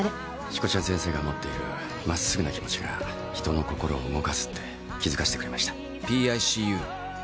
しこちゃん先生が持っている真っすぐな気持ちが人の心を動かすって気づかしてくれました。